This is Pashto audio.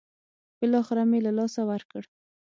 بالاخره مې له لاسه ورکړ.